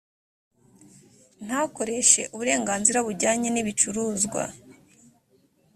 ntakoreshe uburenganzira bujyanye n ibicuruzwa